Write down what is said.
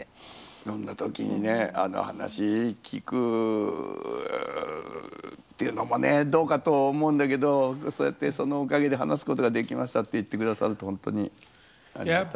そんな時にねあの話聞くっていうのもねどうかと思うんだけどそうやってそのおかげで話すことができましたって言って下さるとほんとにありがたい。